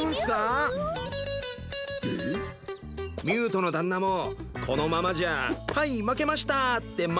ミュートの旦那もこのままじゃあハイ負けましたって